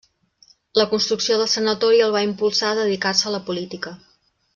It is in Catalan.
La construcció del sanatori el va impulsar a dedicar-se a la política.